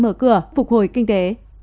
mở cửa phục hồi kinh tế